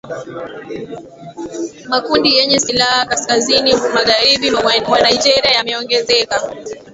Makundi yenye silaha kaskazini magharibi mwa Nigeria yameongezeka